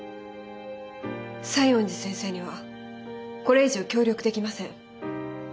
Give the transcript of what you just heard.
西園寺先生にはこれ以上協力できません。